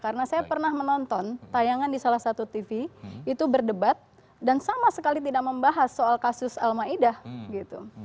karena saya pernah menonton tayangan di salah satu tv itu berdebat dan sama sekali tidak membahas soal kasus al maidah gitu